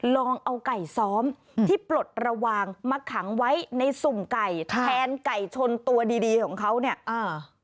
ลองเอาไก่ซ้อมที่ปลดระวางมาขังไว้ในสุ่มไก่แทนไก่ชนตัวดีดีของเขาเนี่ยอ่า